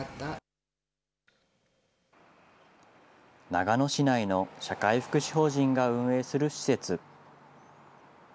長野市内の社会福祉法人が運営する施設。